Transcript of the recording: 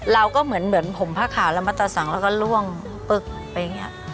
เราก็เหมือนผมผ้าขาวแล้วมาตัดสังแล้วก็ล่วงปึ๊กไปอย่างนี้